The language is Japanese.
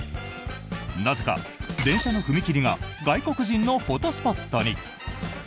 なぜか電車の踏切が外国人のフォトスポットに。